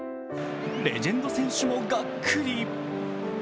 レジェンド選手も、がっくり。